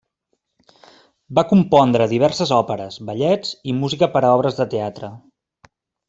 Va compondre diverses òperes, ballets i música per a obres de teatre.